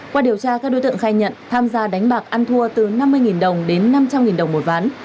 qua điều tra các đối tượng khai nhận tham gia đánh bạc ăn thua từ năm mươi đồng đến năm trăm linh đồng một ván